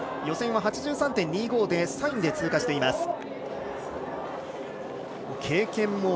予選は８３．２５で３位で通過しています。